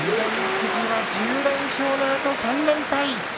富士は１０連勝のあと３連敗。